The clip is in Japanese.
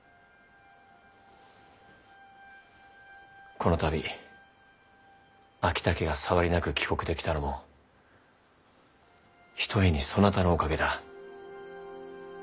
この度昭武が障りなく帰国できたのもひとえにそなたのおかげだ。